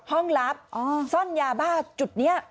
ลับซ่อนยาบ้าจุดนี้